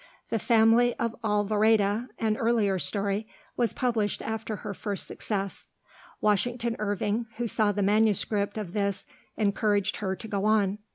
'The Family of Alvoreda,' an earlier story, was published after her first success. Washington Irving, who saw the manuscript of this, encouraged her to go on.